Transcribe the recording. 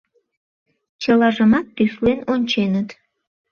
Чылажымат тӱслен онченыт.